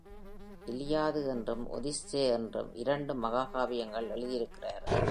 இலியாது என்றும் ஒதிஸ்ஸே என்றும் இாண்டு மகாகாவியங்கள் எழுதியிருக்கிறார்.